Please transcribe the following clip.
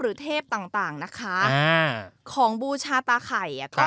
หรือเทพต่างต่างนะคะอ่าของบูชาตาไข่ครับ